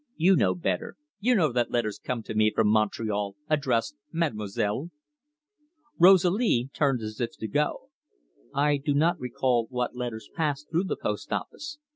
"You know better. You know that letters come to me from Montreal addressed Mademoiselle." Rosalie turned as if to go. "I do not recall what letters pass through the post office.